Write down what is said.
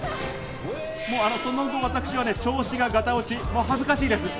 その後、私は調子がガタ落ち、恥ずかしいです。